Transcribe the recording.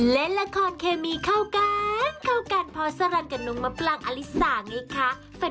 เล่นละครเคมีเข้ากันเข้ากันพอสรรคกับนุ่มมะปรางอลิสาไงคะ